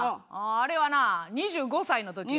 あれはね２５歳の時や。